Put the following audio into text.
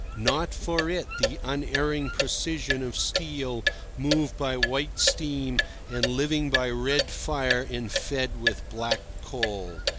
Not for it the unerring precision of steel moved by white steam and living by red fire and fed with black coal.